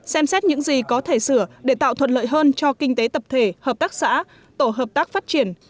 xem xét những gì có thể sửa để tạo thuận lợi hơn cho kinh tế tập thể hợp tác xã tổ hợp tác phát triển